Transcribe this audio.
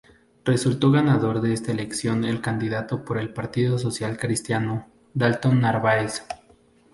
Resultó ganador de esta elección el candidato por el Partido Social Cristiano, Dalton Narváez.